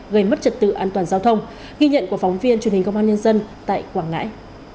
gây mất trật tự an toàn giao thông ghi nhận của phóng viên truyền hình công an nhân dân tại quảng ngãi